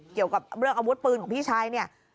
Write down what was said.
เกี่ยวกับเรื่องอาวุธปืนของพี่ชายเนี่ย